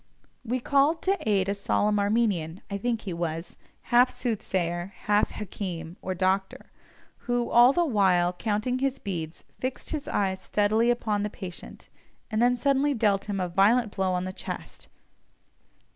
We called to aid a solemn Armenian (I think he was) half soothsayer, half hakim, or doctor, who, all the while counting his beads, fixed his eyes steadily upon the patient, and then suddenly dealt him a violent blow on the chest.